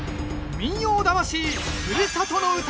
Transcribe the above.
「民謡魂ふるさとの唄」。